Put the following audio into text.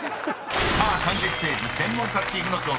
［さあ漢字ステージ専門家チームの挑戦です］